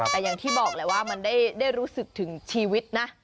แต่อย่างที่บอกแหละว่ามันได้รู้สึกถึงชีวิตนะ